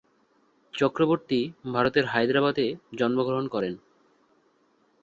চক্রবর্তী ভারতের হায়দ্রাবাদে জন্মগ্রহণ করেন।